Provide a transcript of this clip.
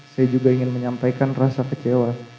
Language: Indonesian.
saya juga ingin menyampaikan rasa kecewa